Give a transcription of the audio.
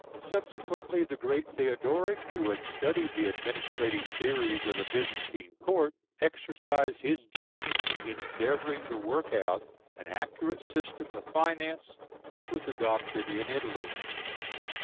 Subsequently, the great Théodoric, who had studied the administrative theories of the Byzantine Court, exercised his genius in endeavouring to work out an accurate system of finance, which was adopted in Italy.